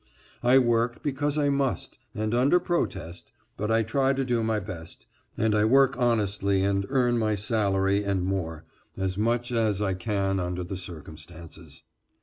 I work, because I must and under protest, but I try to do my best, and I work honestly and I earn my salary and more, as much as I can under the circumstances.